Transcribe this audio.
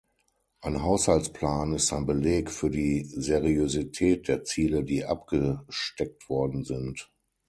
Ein Haushaltsplan ist ein Beleg für die Seriosität der Ziele, die abgesteckt worden sind.